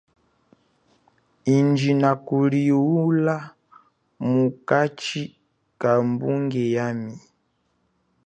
Indji nakulihula mukachi kabunge yami.